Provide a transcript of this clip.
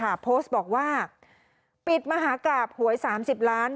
โพสต์บอกว่าปิดมหากราบหวย๓๐ล้าน